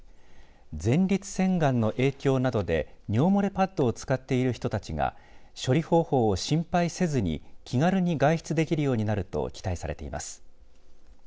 前立腺がんの影響などで尿漏れパッドを使っている人たちが処理方法を心配せずに気軽に外出できるようになると期待されています。